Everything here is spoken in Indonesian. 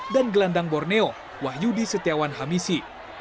dan gelandang borneo wahyudi setiawan hamisi